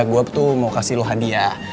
gue tuh mau kasih lo hadiah